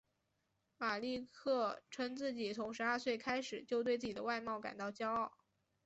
马利克称自己从十二岁开始就对自己的外貌感到骄傲。